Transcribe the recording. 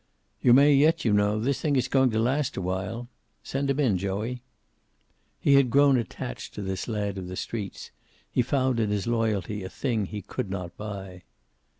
"You may yet, you know. This thing is going to last a while. Send him in, Joey." He had grown attached to this lad of the streets. He found in his loyalty a thing he could not buy.